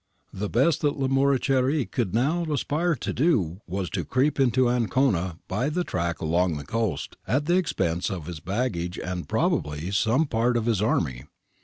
The best that Lamoriciere could now aspire to do was to creep into Ancona by the track along the coast, at the expense of his baggage and probably of some part of his army.